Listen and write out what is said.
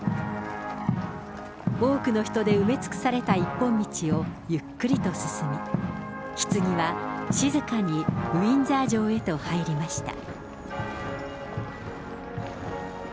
多くの人で埋め尽くされた一本道をゆっくりと進み、ひつぎは静かにウィンザー城へと入りました。